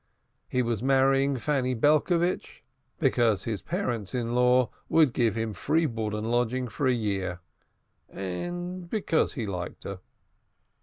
He was marrying Fanny Belcovitch because his parents in law would give him free board and lodging for a year, and because he liked her.